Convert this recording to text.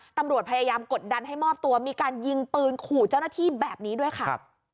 ตำรวจพยายามกดดันให้มอบตัวมีการยิงปืนขู่เจ้าหน้าที่แบบนี้ด้วยค่ะ